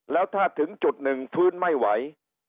แล้วถ้าถึงจุดหนึ่งฟื้นไม่ไหว